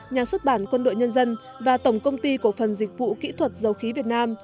nhà xuất bản quân đội nhân dân và tổng công ty cổ phần dịch vụ kỹ thuật dầu khí việt nam